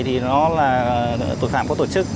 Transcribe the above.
tội phạm có tổ chức